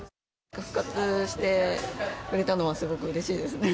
復活してくれたのはすごくうれしいですね。